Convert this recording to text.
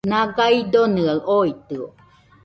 Naga idonɨaɨ oitɨo